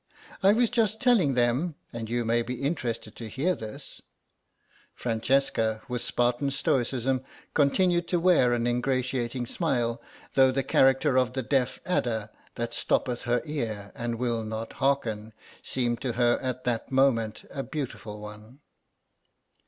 "I was just telling them, and you may be interested to hear this—" Francesca, with Spartan stoicism, continued to wear an ingratiating smile, though the character of the deaf adder that stoppeth her ear and will not hearken, seemed to her at that moment a beautiful one.